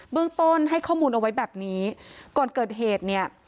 เรื่องต้นให้ข้อมูลเอาไว้แบบนี้ก่อนเกิดเหตุเนี่ย